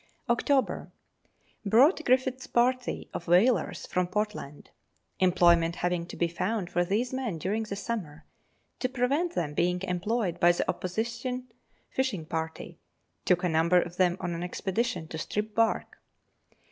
October. Brought Griffiths's party of whalers from Port land. Employment having to be found for these men during the summer, to prevent them being employed by the opposition fishing party, took a number of them on an expedition to strip bark.